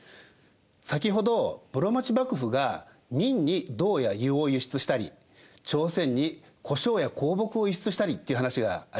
先ほど室町幕府が明に銅や硫黄を輸出したり朝鮮に胡椒や香木を輸出したりっていう話がありましたよね。